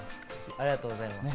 ありがとうございます。